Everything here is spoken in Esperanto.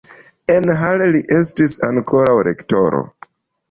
En Halle li estis ankaŭ rektoro.